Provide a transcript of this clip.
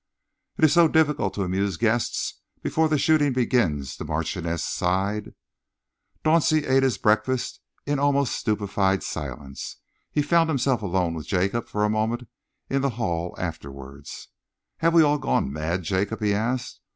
"It is so difficult to amuse guests before the shooting begins," the Marchioness sighed. Dauncey ate his breakfast in almost stupefied silence. He found himself alone with Jacob for a moment in the hall afterwards. "Have we all gone mad, Jacob?" he asked.